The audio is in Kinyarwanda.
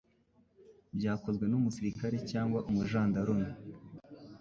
byakozwe n umusirikare cyangwa umujandarume